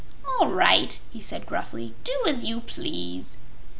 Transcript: "All right," he said gruffly; "do as you please."